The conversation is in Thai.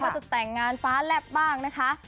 จะแต่งงานฟ้าแลบบ้างนะคะ